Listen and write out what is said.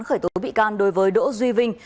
khởi tố bị can đối với đỗ duy vinh